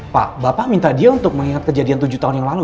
pak bapak minta dia untuk mengingat kejadian tujuh tahun yang lalu